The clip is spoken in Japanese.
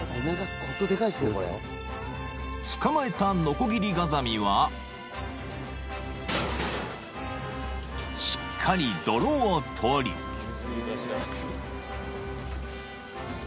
［捕まえたノコギリガザミはしっかり泥を取り］うわ。